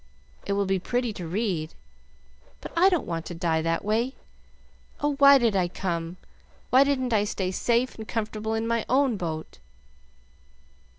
It would be pretty to read, but I don't want to die that way. Oh, why did I come! Why didn't I stay safe and comfortable in my own boat?"